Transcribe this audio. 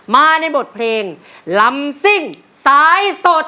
มาในบทเพลงลำซิ่งสายสด